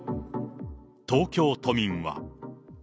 東京都民は。